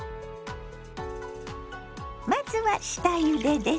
まずは下ゆでです。